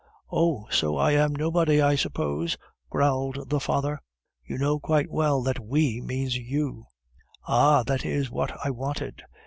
"Oh! so I am nobody, I suppose," growled the father. "You know quite well that 'we' means you." "Ah! that is what I wanted.